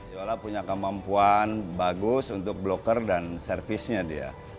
yola punya kemampuan bagus untuk bloker dan servisnya dia